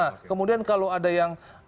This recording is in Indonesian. nah kemudian kalau ada yang